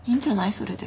それで。